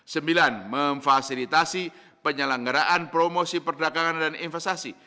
sembilan memfasilitasi penyelenggaraan promosi perdagangan dan investasi